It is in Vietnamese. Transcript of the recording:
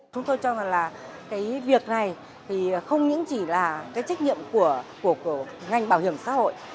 chúng tôi cho rằng là cái việc này thì không những chỉ là cái trách nhiệm của ngành bảo hiểm xã hội